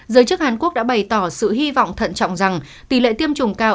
giới chức hàn quốc đã bày tỏ sự hy vọng thận trọng rằng tỷ lệ tiêm chủng cao